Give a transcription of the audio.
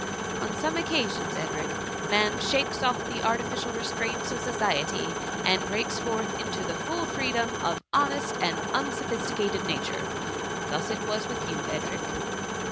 On some occasions, Edric, man shakes off the artificial restraints of society, and breaks forth into the full free dom of honest and unsophisticated nature: — thus it was with you, Edric.